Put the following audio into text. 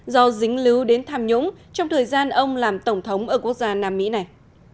do dính lứ đến tham nhũng trong thời gian ông làm tổng thống ở quốc gia nam mỹ này